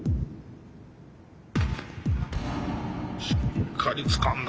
しっかりつかんだ。